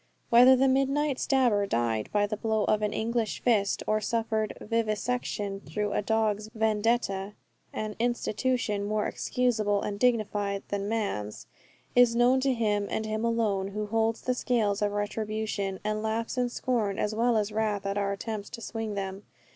Whether the midnight stabber died by the blow of an English fist, or suffered vivisection through a dog's vendetta an institution more excusable and dignified than man's is known to Him, and Him alone, who holds the scales of retribution, and laughs in scorn as well as wrath at our attempts to swing them.